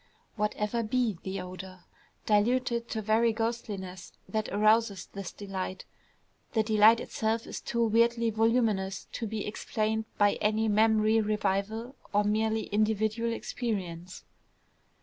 Whatever be the odor, diluted to very ghostliness, that arouses this delight, the delight itself is too weirdly voluminous to be explained by any memory revival of merely individual experience.